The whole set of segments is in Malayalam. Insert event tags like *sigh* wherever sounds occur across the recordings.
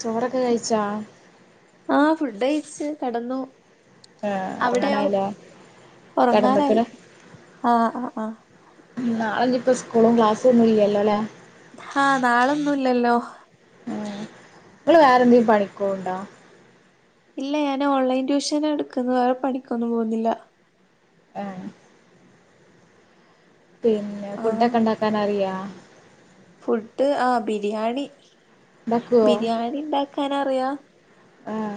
ചോറൊക്കെ കഴിച്ചാ ആഹ് ഫുഡ് കഴച്ച് കടന്നു ഏഹ് അവിടെയോ ഒറങ്ങാനായില്ലേ ഉറങ്ങാനായി കെടന്ന്ക്ക്ണ് ആഹ ആ് ആഹ നാളഞ്ഞു ഇപ്പ സ്കൂലും ക്ലാസും ഒന്നും ഇല്ലല്ലോലെ ആഹ് നാളൊന്നുംല്ലല്ലോ നിങ്ങള് വേറെ എന്തെങ്കും പണിക്കോണ്ടോ ഇല്ല ഞാന്ൻ ഓൺലൈൻ ട്യൂഷൻ എടുക്കുന്ന വേറെ പണിക്കൊന്നും പോകുന്നില്ല ആഹ പിന്നെ ആഹ് ഫുഡൊക്കെ ഉണ്ടാക്കാൻ അറിയാ ഫുഡ് ആഹ ബിരിയാണി ഇണ്ടാക്കോ ബിരിയാണി ഉണ്ടാക്കാൻറിയാ ആഹ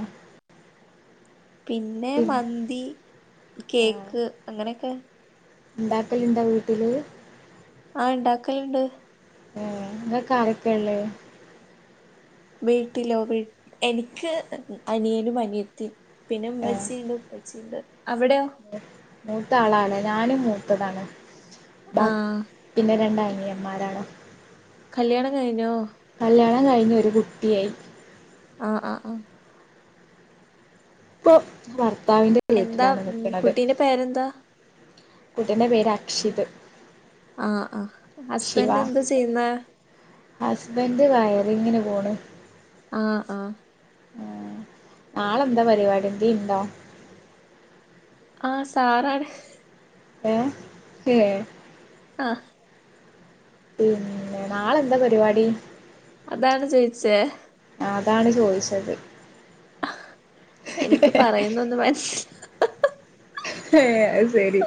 പിന്നെ മന്തി കേക്ക് അങ്ങനെയൊക്കെ ഉണ്ടാക്കല എന്റെ വീട്ടില് ആ ഇണ്ടാക്കൽണ്ട് ആ ങ്ങക്ക്‌ ആരൊക്കെള്ളവ് വീട്ടിലോ വിട് എനിക്ക് അനിയനും അനിയത്ത്യും പിന്നെ ഏഹ് മ്മച്ചിണ്ട് ഉപ്പച്ചിണ്ട് അവിടെയോ മൂത്ത ആളാണ് ഞാനും മൂത്തതാണ് ബാക്ക്‌ ആഹ് പിന്ന രണ്ട അനി നിയമ്മാരാണ് കല്യാണം കഴിഞ്ഞോ കല്യാണം കഴിഞ്ഞു ഒരു കുട്ട്യായ് ആ ആ ആഹ് പ്പൊ ഭർത്താവിന്റെ എന്താ വീട്ട്ലാണ് ഉം ന്ക്ക്‌ണത് കുട്ടീന്റെ പേരെന്താ കുട്ടിൻ്റെ പേര് അക്ഷിത് ആഹ് ആഹ് ശിവ ഹസ്ബൻഡ് എന്താ ചെയ്യുന്നെ ഹസ്ബൻഡ് വയ റിങ്ങിന് പോണു ആഹ് ആഹ് നാളെന്താ പരിപാടി ന്തേ ണ്ടോ ആഹ് സാറാണ് ഏ ഏ ആഹ് പിന്നെ നാളെന്താ പരിപാടി അതാണ് ചോയ്ച്ചേ അതാണ് ചോയ്ച്ചത് എനിക്ക് പറയുന്ന ഒന്ന് മൻസ്സിലാ ഏ അവ് സരി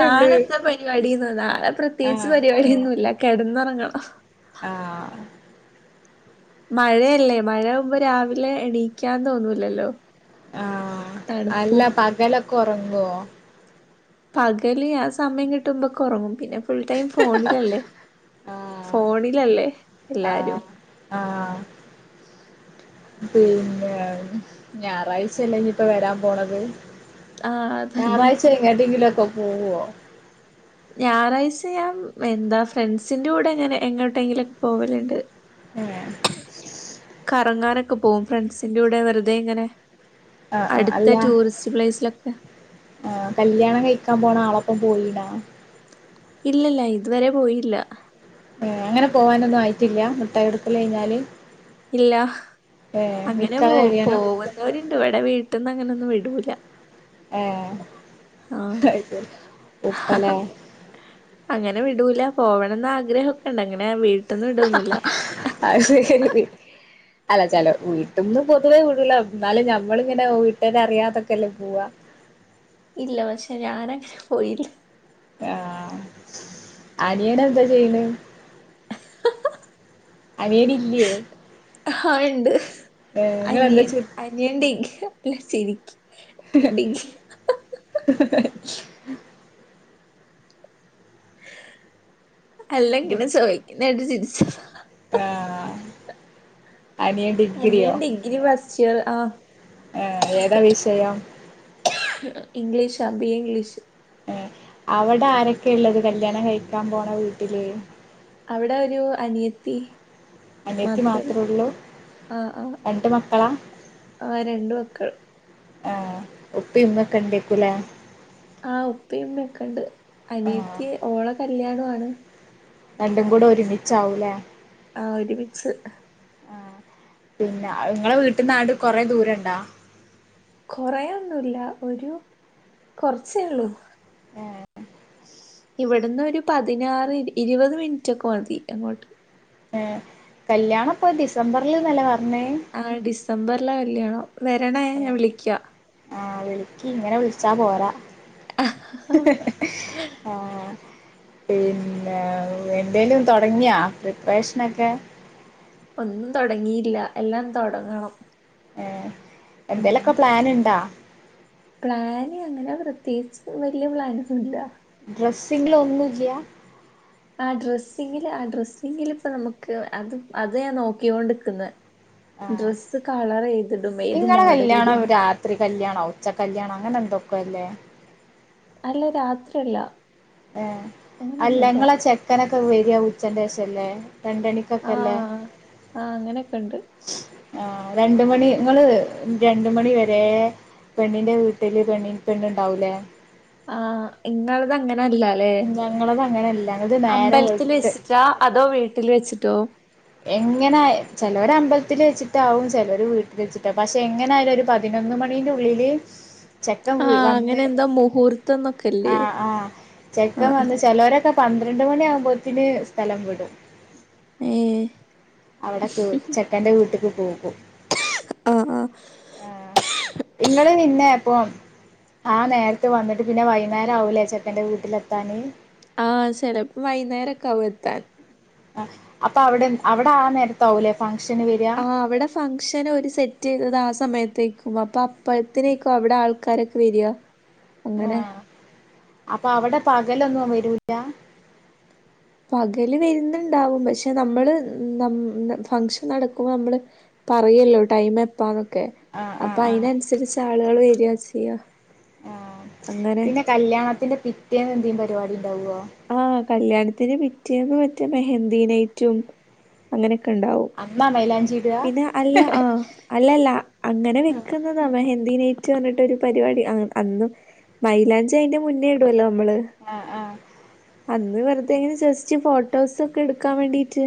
നാളെന്താ പരിപാടിന്നൊ നാളെ പ്രത്യേച്ച് ആഹ് പരിപാടിയൊന്നു ല്ല കെട്ന്നൊറങ്ങണോ ആഹ് മഴയല്ലേ മഴ ആവ്മ്പൊ രാവിലെ എണീക്കാൻ തോന്നൂലല്ലോ ആഹ് അല്ല തണുപ്പും പകലൊക്ക ഒറങ്ങുവോ പകല് ആ സമയം കിട്ടുമ്പൊക്ക ഒറങ്ങും പിന്നെ ഫുൾ ടൈം ഫോണിലല്ലേ ആഹ് ഫോണിലല്ലേ ആഹ് എല്ലാരും ആഹ് *inaudible* പിന്നെ ഞായറാഴ്ചല്ലേ നിപ്പ വെരാൻ പോണത് ആഹ് അതന്നെ ഞാറാഴ്ച എങ്ങെട്ടെങ്കിലൊക്ക പൂവ്വോ ഞായറാഴ്ച ഞാം എന്താ ഫ്രണ്ട്സിന്റെറെ കൂടെങ്ങനെ എങ്ങോട്ടങ്കിലൊക് പോവല്ണ്ട് ഏഹ് കറങ്ങാനൊക്ക പോവും ഫ്രണ്ട്സിന്റെറ കൂടെ വെറുതെ ഇങ്ങനെ ആഹ് ആഹ് അടുത്ത അല്ല ടൂറിസ്റ്റ് പ്ലേസിലൊക്കെ ആ കല്യാണം കയ്ക്കാൻ പോണ ആള പ്പൊ പോയിണോ ഇല്ലല്ല ഇതുവരെ പോയില്ല അങ്ങനെ പോവാനൊന്നും ആയിറ്റില്ല മുട്ടായ് കൊടുക്കല് കയ്ഞ്ഞാല് ഇല്ല അങ്ങനെ പോ കഴിയണം പോവുന്നവര്ണ്ട് വെടെ വീട് ട്ട്ന്ന് അങ്ങനൊന്നും വിടൂല ഏ ആഹ് *unintelligible* ഉപ്പലേ അങ്ങനെ വിടൂല പോവണംന്ന് ആഗ്രഹൊക്ക ണ്ട് അങ്ങനെ വീട് ട്ട്ന്ന് വിടൊന്നുല്ല അത് ശരി അല്ല ചെല വീട്ട്ന്ന് പൊതുവെ വിടൂല ന്നാലും ഞമ്മള്ങ്ങനെ വീട്ടര് അറിയാതൊക്കെല്ലേ പോവാ ഇല്ല പക്ഷെ ഞാനങ്ങ് പോയില്ല ആഹ് അനിയനെന്താ ചെയ്യ്ണ് അനിയന് ഇല്ല്യെ അഹാ ഇണ്ട് നിങ്ങളെന്താ അനിയൻ ചെയ് അനിയൻ ആഹ് ടിഗ്ഗ് അല്ല ചിരിക്ക്‌ അല്ല ഇങ്ങനെ ചൊവക്ക്ന്ന കേട്ട് ചിരിച്ചതാ ആഹ് അനിയൻ ഡിഗ്രിയോ അനിയൻ ഡിഗ്രി ഫസ്റ്റ് ആഹ് ആഹ് ഏതാ വിഷയം ഇംഗ്ലീഷ ബി എ ഇംഗ്ലീഷ് ഏഹ് അവിടെ ആരൊക്കെ ഉള്ളത് കല്യാണം കഴിക്കാൻ പോണ വീട്ടില് അവിടെ ഒരു അനിയത്തി അനിയത്തി മാത്രേ ഉള്ളൂ മാത്ര ഉള്ളു ആഹ് ആഹ് രണ്ട് മക്കളാ ആഹ് രണ്ട് മക്കൾ ആഹ് ഉപ്പിമ്മൊക്കെ ഉണ്ടേക്കുലേ ആഹ് ഉപ്പേമ്മേക്കെണ്ട് ആഹ് അനിയത്തി ഓള കല്യാണാണ് രണ്ടും കൂടെ ഒരുമിചാവൂലേ ആഹ് ഒരുമിച്ച് ആഹ് പിന്നെ നിങ്ങളെ വീട്ടിന്നാട് കൊറെ ദൂരംണ്ടാ കൊറയൊന്നുല്ല ഒരു കൊറച്ചേള്ളൂ ഇവിടുന്ന് ഒരു പതിനാറ് ഇരുപത് മിനിറ്റൊക്കെ മതി അങ്ങോട്ട് ഏ കല്യാണ്പ്പ ഡിസംബറിൽന്നല്ലെ പറഞ്ഞേ ആ ഡിസംബറിലാ കല്യാണം വരണേ ഞാൻ വിളിക്കാ ആ വിളിക്ക് ങ്ങനെ വിളിച്ചാ പോരാ ആഹ് പിന്നെ എന്തേലും തൊടങ്ങിയാ പ്രിപ്പറേഷനൊക്കെ ഒന്നും തൊടങ്ങിയില്ല എല്ലാം തൊടങ്ങണം ഏഹ് ഉം എന്തേലൊക്കെ പ്ലാൻ ണ്ടാ പ്ലാന് അങ്ങനെ പ്രത്യേകിച്ച് വല്യ പ്ലാനൊന്നും ഇല്ല ട്രെസ്സിങ്ങിലൊന്നും ഇല്യ ആ ഡ്രസ്സിങ്ങില് ആ ഡ്രസ്സിങ്ങിലിപ്പ നമുക്ക് അത് അത് ഞാൻ നോക്കിയോണ്ട് ക്ക് ന്നേ ഡ്രസ്സ് കളറേത് ങ്ങളെ കല്യാണം രാത്രി കല്യാണം ഉച്ച കല്യാണം അങ്ങനെ എന്തൊക്ക അല്ലേ അല്ല രാത്രി അല്ല ഏ അല്ലങ്ങളെ ചെക്കനൊക്കെ വരിയാ ഉച്ചന്റെ ശേശല്ലേ രണ്ടണിക്കൊക്കെല്ലേ ആഹ് ആഹ് അങ്ങനെയൊക്കെ ഉണ്ട് ആ രണ്ട് മണി ങ്ങള് ആ രണ്ട് മണി വരെ പെണ്ണിന്റെ വീട്ടില് പെണ്ണുണ്ടാവൂലേ ആഹ് ഇങ്ങളതെങ്ങ ല ല്ലല്ലേ ഞങ്ങളത് അങ്ങനെയല്ല ഞങ്ങൾത് നേരം അമ്പലത്തിൽ വെളുത്ത് വെച്ചിട്ടാ അതോ വീട്ടിൽ വെച്ചിട്ടോ എങ്ങനെ ചിലോര മ്പത്തി തിൽ വെചിട്ടവും ചേലോൽ വീട്ട വെച്ചിട്ടാാവും പക്ഷെ എങ്ങനൊയാലും ഒരു പതിനൊന്ന് മണീന്റെള്ളില് ചെക്ക വി ആഹ് വന്ന് അങ്ങനെ എന്താ മുഹൂർത്തം ആ എന്നൊക്കെല്ലേ ആഹ് ചെക്കൻ ആഹ് വന്ന് ചിലോരൊക്കെ പ തരാൻഡ് മണിയാകുമ്പോഴത്തന് സ്ഥലം വിടും ഏ അവിടെ ക ചെക്കന്റെ വീട്ടക്ക് പോകും ആഹ് ആഹ് ആ ഇങ്ങള് നിന്നെ അപ്പം ആ നേരത്തെ വന്നിട്ട് പിന്നെ വൈകുന്നേരം ആവൂലേ ചേട്ടൻന്റെ വീട്ടിലെത്താാന് ആഹ ചിലപ്പോ വൈകുന്നേരൊക്കെ ആവും എത്താൻ ആ അപ്പൊ അവിടെ അവിടെ ആ നേരതാവൂലെ പന്ത ആ അവിടെ ഫംഗഷൻ ഒരു സെറ്റ് ചെയ്തത് ആ സമയത്ത് ത്തേക്കും അപ്പൊ അപ്പഴത്തിനേക്കും അവിടെ ആൾക്കാരൊക്കെ വരിക അങ്ങനെ ആഹ് അപ്പൊ അവിടെ പകലൊന്നും വരൂല്ല പകല് വരുന്നുണ്ടാവും പക്ഷെ നമ്മള് ന്നം ഫംഗഷൻ നടക്കുമ്പോൾ നമ്മള് പറയല്ലോ ടൈം എപ്പാന്നൊക്കെ ആഹ് അപ്പൊ ആഹ് ആഹ് അതിനനുസരിച്ച് ആളുകൾ വരിയാ ചെയ്യ ആ അങ്ങനെ പിന്നെ കല്യാണത്തിന്റെ പിറ്റേന്ന് എന്താ പരിപാടി? ഇണ്ടാവോ ആഹ്, കല്യാണത്തിന് പിറ്റേന്ന് മറ്റേ മെഹന്ദീനായിറ്റും അങ്ങനെയൊക്കെ ഉണ്ടാവും. അമ്മ മൈലാഞ്ചി ഇടാ പിന്നെ അല്ല ആഹ് അല്ലല്ല അങ്ങനെ വെക്കുന്നതാ മെഹന്ദീനയിറ്റ് ി *unintelligible* ഒരു പരിപാടി അന്നും മൈലാഞ്ചി അയിന്റെ മുന്നേ ഇടുവല്ലോ. നമ്മള് ആഹ് ആഹ് അന്ന് വെറുതെ ഇങ്ങനെ ജസ്റ്റ് ഫോട്ടോസൊക്കെ എടുക്കാൻ വേണ്ടീട്ട്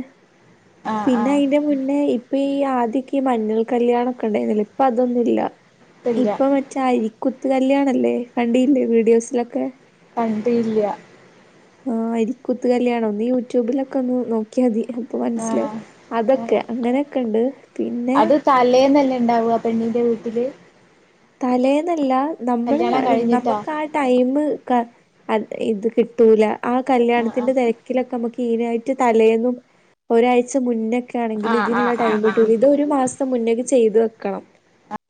ആഹ് പിന്നെ ആഹ് അയിന്റെ മുന്നേ ഇപ്പ് ഇപ്പൊ ഈ ആദ്യമൊക്കെ ഈ മഞ്ഞൾ കല്യാണൊമൊക്കെ ഉണ്ടായിരുന്നില്ലെ ഇപ്പൊ അതൊന്നുമില്ല ത്തില്ല ഇപ്പം മറ്റരിപ്പ കുത്തുകല്ല്യാണവല്ലേ, കണ്ടില്ലേ വീഡിയോസിലൊക്കെ? കണ്ടില്ല ആഹ് അരിക്കുത്തുകല്യാണം നീ യൂട്യൂബിലൊക്കെ ഒന്ന് നോക്കിയാ മതി. അപ്പൊ ആഹ് മനസ്സിലാകും. അതൊക്കെ ആഹ് അങ്ങനെയൊക്കെ ഉണ്ട് പിന്നെ, അത് തലേന്നല്ലേ ഉണ്ടാവുക പെണ്ണിന്റെ വീട്ടില് തലേന്നല്ല നമ്മൾ കല്യാണം കഴിഞ്ഞിട്ടാ നമുക്ക് ആ ടൈംകറക്റ്റ് അത് ഇത് കിട്ടൂല, ആ ആഹ് കല്യാണത്തിന്റെ തിരക്കിലൊക്കെ നമുക്ക് ക്ലീനായിട്ട് തലേന്നും ഒരാഴ്ച മുന്നൊക്കെ ആണെങ്കിൽ ആഹ് ഇതിനുള്ള ആഹ് ടൈം ആഹ് ആഹ് കിട്ടും.. ഇത് ഒരു മാസ മുന്നൊക്കെ ചെയ്ത് വെക്കണം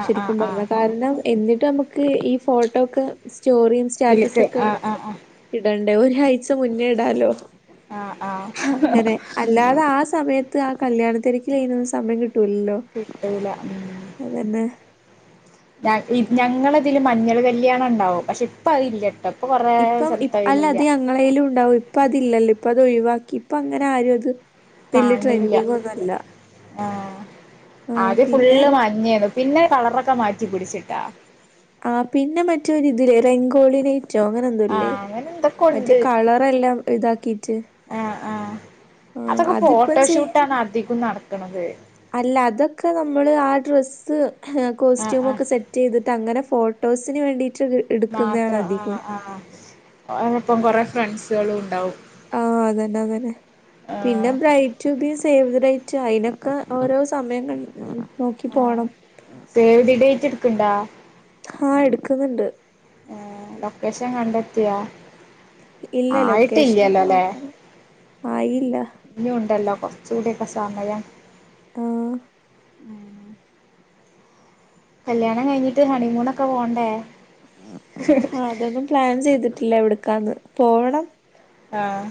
ആഹ് ശരിക്കും ആഹ് ആഹ് ആഹ് പറഞ്ഞാൽ *unintelligible* ക എന്നിട്ട് നമുക്ക് ഈ ഫോട്ടോ ഒക്കെ സ്റ്റോറിയും സ്റ്റാറ്റസ് ഇതിലേക്ക് ഒക്കെ ആഹ് ആഹ് ഇട ഇടണം ഒരാഴ്ച മുന്നെയിടാല്ലോ. ആഹ് ആഹ് ആഹ് അങ്ങനെ അല്ലാതെ ആ സമയത്ത് ആ കല്യാണത്തിരക്കിൽ ഇരുന്ന് സമയം കിട്ടൂല്ലല്ലോ. കിട്ടൂല അതന്നെ ഞങ്ങളിതില് മഞ്ഞൾ കല്ല്യാണം ഉണ്ടാവും. പക്ഷെ ഇപ്പ അതില്ലട്ടോ ഇപ്പൊ കൊറേ ഇപ്പം ഇ സ്ഥലത്ത് അല്ല അതില്ല അത് ഞങ്ങളേലും ഉണ്ടാവും. ഇപ്പം അതില്ലല്ലോ അപ്പം അത് ഒഴിവാക്കി ഇപ്പ അങ്ങനെ ആരുമത് കാണില്ല, ആഹ് ആഹ് ആദ്യം പിന്നെ ഫുള്ള് മഞ്ഞള് പിന്നെ കളറൊക്കെ മാറ്റി പിടിച്ചിട്ടാ ആ പിന്നെ മറ്റൊരിതില് രംഗോളിനെ പറ്റോ അങ്ങനെ ഒന്നൂല്ലേ ആഹ് അങ്ങനെ എന്തൊക്കെ മറ്റേ ഉണ്ട് കളർ എല്ലാം ഇതാക്കീട്ട് ആ അതൊക്കെ ചെയ് ഫോട്ടോഷൂട്ടാണ് അധികം നടത്തണത്. അല്ല അതൊക്കെ നമ്മള് ആ ഡ്രസ് *unintelligible* ആഹ് ആഹ് കോസ്റ്റ്യൂമൊക്കെ സെറ്റ് ചെയ്തിട്ട് അങ്ങനെ ഫോട്ടോസിന് വേണ്ടിട്ട് *unintelligible* എടുക്കുന്നതാണ് അധികവും അതിപ്പം കുറെേ ഫ്രണ്ട്സുകളും ഉണ്ടാവും ആഹ് അതന്നെ അതന്നെ പിന്നെ ആഹ് ബ്രൈറ്റുബീസ് സേവ് ദ ഡേറ്റ് അതിനൊക്കെ ഓരോ സമയം കണ്ട് ആ സേവ് ദ ടേറ്റ് എടുക്കണ്ടോ? ആ എടുക്കുന്നുണ്ട്. ലൊക്കേഷൻ കണ്ടെത്തിയോ? ഇല്ല ആ ആയിട്ടില്ലല്ലോ ലൊക്കേഷനൊക്കെ അല്ലേ നോക്കണം ആയില്ല ഇനി ഉണ്ടല്ലോ കൊറെ ചൂടക *unintelligible* സമയം ആഹ് കല്യാണം കഴിഞ്ഞിട്ട് ഹണിമൂണൊക്കെ പോവണ്ടേ? ആഹ് അതൊന്നും പ്ലാൻ ചെയ്തിട്ടില്ല. എവിടുക്കാന്ന്? പോവണം ആഹ്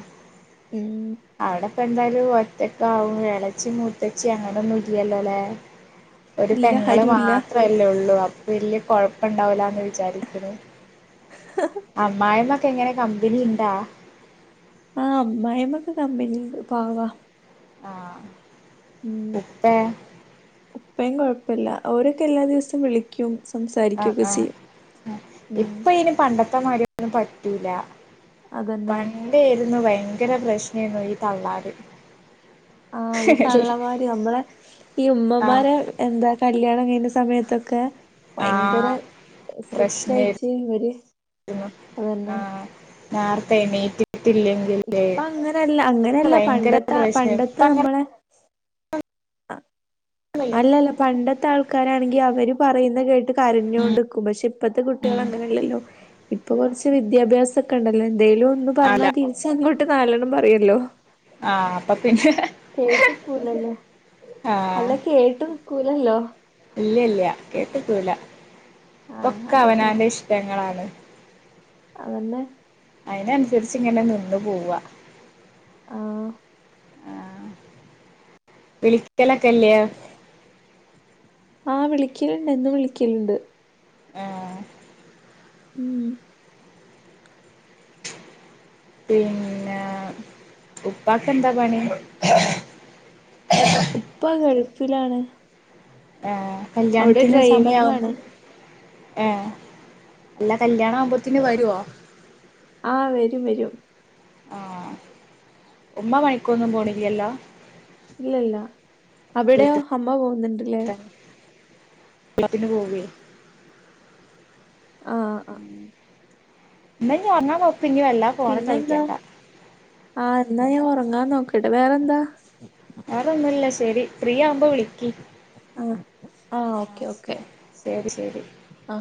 അവിടെ എന്തായാലും ഒറ്റക്കാവും ഇളയച്ചി മൂത്തച്ചി അങ്ങനെ ഒന്നും ഇല്ലല്ലോല്ലേ ഒരു ഇല്ല പെങ്ങള് ആരുല്ല മാത്രമല്ലേ ഉള്ളൂ അപ്പം വല്യ കൊഴപ്പുണ്ടാവില്ലന്ന് വിചാരിക്കുന്നു. അമ്മായിഅമ്മയൊക്കെ എങ്ങനെ? കമ്പനി ഉണ്ടാ? അമ്മായിയമ്മയൊക്കെ കമ്പനിയുണ്ട്. പാവവാ ആഹ് ഇപ്പോ ഉപ്പയും കുഴപ്പില്ല. അവരൊക്കെ എല്ലാ ദിവസവും വിളിക്കും ആ സംസാരിക്കുവൊക്കെ ആ ചെയ്യും ഇപ്പ ഇ പണ്ട ത്തമാതി ഒന്നും പറ്റുല്ല അതന്നെ പണ്ടെയിരുന്നു ഭയങ്കര പ്രശ്ന നീൻ *unintelligible* ഇ തള്ളാര് ആ ഈ തള്ളമാര് നമ്മളെ ഈ ആഹ് ഉമ്മമാരെ എന്താ കല്യാണം കഴിഞ്ഞ സമയത്തൊ ഭയങ്കര ആഹ് സെറ്റായ്ട്ട് പ്രശ്നേര്ന്നു ഒര് അതന്നെ ന്നാർത്തെ എണീറ്റ് െ *unintelligible* ങ്കേ ഇപ്പ അങ്ങനെയല്ല അങ്ങനെയല്ല ഭയങ്കര പണ്ടത്തെ പ്രശ്നം ഇപ് പണ്ടത്തെ *unintelligible* അങ്ങനെ നമ്മളെ അങ്ങനൊന്നുല്ല അല്ലല്ല പണ്ടത്തെ ആൾ ക്കാനാണെങ്കി അവര് പറയുന്ന കേട്ട് കരഞ്ഞുകൊണ്ട്ക്കും പക്ഷെ ഇപ്പത്തെ കുട്ടികള് അങ്ങനെല്ലേല്ലോ ഇപ്പൊ കൊ ച്ച് വിദ്യാഭ്യാസ ക്കെ ഉണ്ടല്ലേ എന്തേലോന്ന് അല്ല പറഞ്ഞാ തിരിച്ച അങ്ങോട്ട് നാലണ്ണം പറയല്ലോ ആ പം കേട്ട് കൂലല്ലോ അല്ല കേട്ട് നികൂലല്ലോ ഇല്ല്യെല്ല്യെ കെട്ട്ക്കുല ആഹ് ഒക്കെ അതന്നെ അവനാന്റെ ഇഷ്ടങ്ങ ആണ് അതന്നെ അയ്നന്സര്ച്ച് ങ്ങനെ നിന്നു പോവാ ആഹ് ആ വിളിക്കലൊക്കെല്ലേ ആ വിളിക്കല്ണ്ട് എന്നും വിളിക്കല്ണ്ട് ആ ഉം പിന്നെ ഉപ്പാക്കെന്താ പണി ഉപ്പാ ഗൾഫിലാണ് ആ അവിടെ കല്യാണത്തിന് സമയാവുമ്പോ ഡ്രൈവിംഗാണ് ഏ അല്ലാ കല്യാണാവുമ്പോത്തിന് വരോ ആ വരും വരും ആ ഉമ്മ പണിക്കോന്നും പോണില്ലല്ലോ ഇല്ലല്ല അവിടോ വീട്ട് അമ്മ പോകുന്നുണ്ടല്ലേ വള *unintelligible* ത്തിന് പോവേ ആഹ് ആഹ് ന്നാ ഇഞ് ഒറ്ങ്ങാനോക്കി ഞ് വെല്ലാ ഫോണി കളിക്കണ്ടാ ആ ന്നാ ഞാൻ ഒറ്ങ്ങാൻ നോക്കട്ടെ വേറെന്താ വേറോന്നുല്ല ശെരി ഫ്രീ ആവുമ്പോ വിളിക്കി ആ ഓക്കെ ആഹ് ഓക്കെ ശരി ശരി ശരി ആ